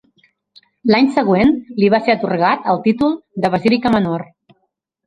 L'any següent li va ser atorgat el títol de basílica menor.